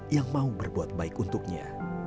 yang mau berbuat baik untuknya